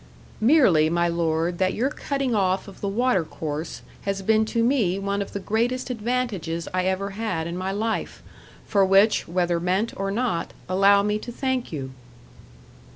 "Merely, my lord, that your cutting off of the water course has been to me one of the greatest advantages I ever had in my life; for which, whether meant or not, allow me to thank you."